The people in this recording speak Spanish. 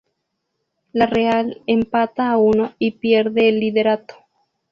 La Real empata a uno y pierde el liderato.